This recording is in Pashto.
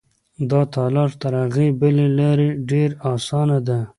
دا لاره تر هغې بلې لارې ډېره اسانه ده.